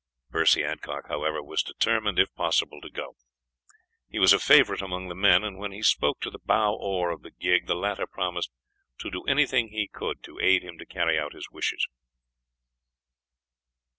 Percy Adcock, however, was determined, if possible, to go. He was a favorite among the men, and when he spoke to the bow oar of the gig the latter promised to do anything he could to aid him to carry out his wishes.